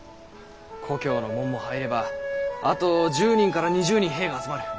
故郷の者も入ればあと１０人から２０人兵が集まる。